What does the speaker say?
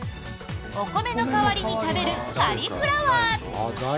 お米のかわりに食べるカリフラワー。